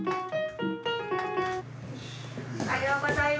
おはようございます。